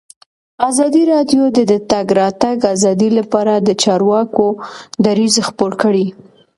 ازادي راډیو د د تګ راتګ ازادي لپاره د چارواکو دریځ خپور کړی.